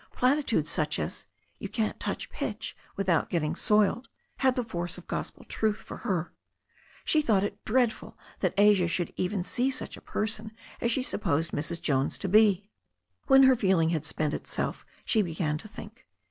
Platitudes such as "You can't touch pitch without getting soiled" had the force of gospel truth to her. She thought it dreadful that Asia should even see such a person as she supposed Mrs. Jones to be. When her feeling had spent itself she began to think.